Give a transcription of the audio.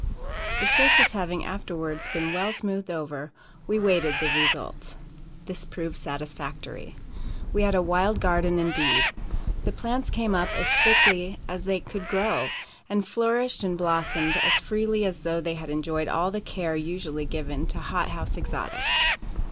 The surface having afterwards been well smoothed over, we waited the result. This proved satisfactory. We had a wild garden indeed. The plants came up as thickly as they could grow, and flourished and blossomed as freely as though they had enjoyed all the care usually given to hot house exotics.